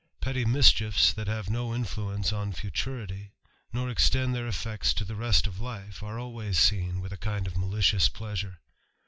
Petty mischiefs, that have no influence on futurity, nor extend their effects to Ae rest of life, are always seen with a kind of malidoos pleasure.